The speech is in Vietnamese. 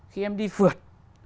khi em đi phượt